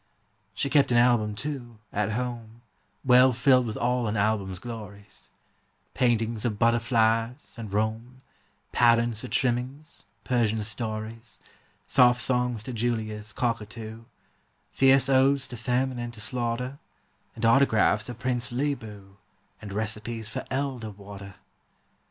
She kept an album too, at home, Well filled with all an album's glories, Paintings of butterflies and Rome, Patterns for trimmings, Persian stories, Soft songs to Julia's cockatoo, Fierce odes to famine and to slaughter, And autographs of Prince Leeboo, And recipes for elder water.